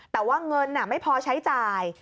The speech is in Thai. แต่ว่าเงินไม่พอใช้จ่าย